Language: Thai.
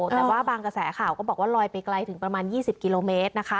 แต่ว่าบางกระแสข่าวก็บอกว่าลอยไปไกลถึงประมาณ๒๐กิโลเมตรนะคะ